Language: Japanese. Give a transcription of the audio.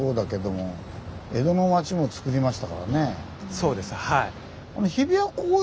そうですはい。